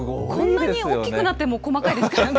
こんなに大きくなっても細かいですからね。